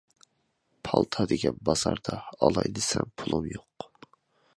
پالتا دېگەن بازاردا، ئالاي دېسەم پۇلۇم يوق.